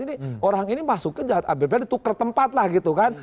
ini orang ini masuk ke jahat abb ditukar tempat lah gitu kan